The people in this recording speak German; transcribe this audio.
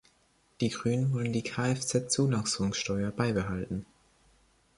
Die Grünen wollen die Kfz-Zulassungssteuer beibehalten.